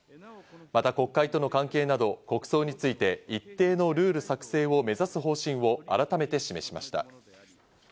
また国会との関係など国葬について一定のルール作成を目指す方針を改めて示しました。